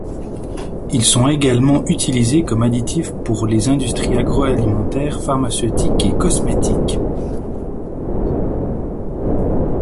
Ils sont également utilisés comme additifs pour les industries agroalimentaire, pharmaceutique et cosmétique.